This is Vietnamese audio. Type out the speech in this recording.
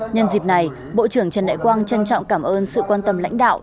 nhân dịp này bộ trưởng trần đại quang trân trọng cảm ơn sự quan tâm lãnh đạo